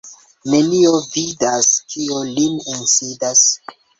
Neniu vidas, kio lin insidas.